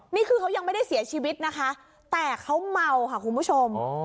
นี่คือเขายังไม่ได้เสียชีวิตนะคะแต่เขาเมาค่ะคุณผู้ชม